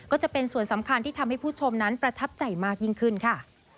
ก็จะเป็นส่วนสำคัญที่ทำให้ผู้ชมนั้นประทับใจมากยิ่งขึ้นค่ะ